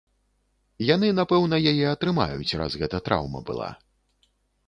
Яны, напэўна, яе атрымаюць, раз гэта траўма была.